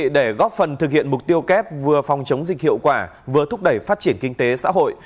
để góp phần thực hiện mục tiêu kép vừa phòng chống dịch hiệu quả vừa thúc đẩy phát triển kinh tế xã hội